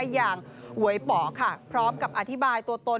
อย่างหวยป่อค่ะพร้อมกับอธิบายตัวตน